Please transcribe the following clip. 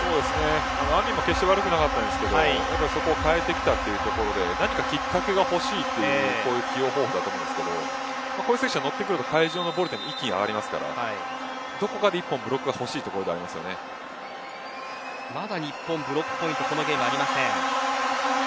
アミンも決して悪くなかったんですけど変えてきたというところで何かきっかけがほしいという起用方法だと思いますけどこういう選手が乗ってくると会場のボルテージが一気に上がりますからどこかで１本、ブロックがまだ日本、ブロックポイントこのゲームはありません。